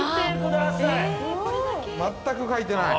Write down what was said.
◆全く書いてない。